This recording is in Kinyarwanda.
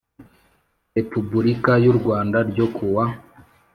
Repubulika y u rwanda ryo kuwa